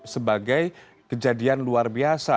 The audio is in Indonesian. sebagai kejadian luar biasa